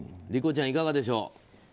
理子ちゃん、いかがでしょう。